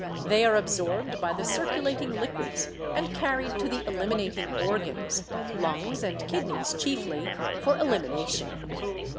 They are absorbed by the circulating liquids and carried to the eliminating organs, lungs and kidneys chiefly, for elimination.